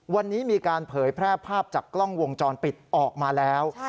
วันนี้มีการเผยแพร่ภาพจากกล้องวงจรปิดออกมาแล้ว